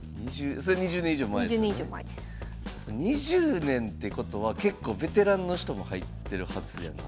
２０年ってことは結構ベテランの人も入ってるはずやねん。